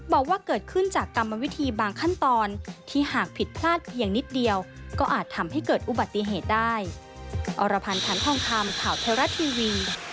บอกว่าเกิดขึ้นจากกรรมวิธีบางขั้นตอนที่หากผิดพลาดเพียงนิดเดียวก็อาจทำให้เกิดอุบัติเหตุได้